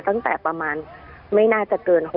ตั้งแต่ประมาณไม่น่าจะเกิน๖๐